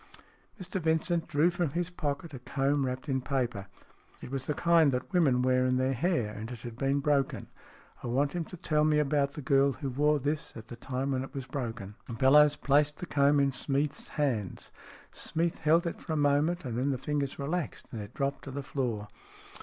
Mr Vincent drew from his pocket a comb wrapped in paper. It was of the kind that women wear in their hair, and it had been broken. " I want him to tell me about the girl who wore this at the time when it was broken." STORIES IN GREY Bellowes placed the comb in Smeath's hands. Smeath held it for a moment, and then the fingers relaxed, and it dropped to the floor.